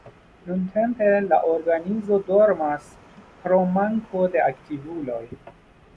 Nuntempe la organizo dormas pro manko de aktivuloj.